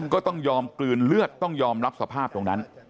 ก็ต้องยอมกลืนเลือดต้องยอมรับสภาพตรงนั้น